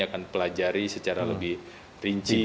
akan pelajari secara lebih rinci